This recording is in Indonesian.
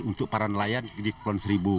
untuk para nelayan di kepulauan seribu